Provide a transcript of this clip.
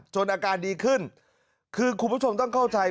อาการดีขึ้นคือคุณผู้ชมต้องเข้าใจ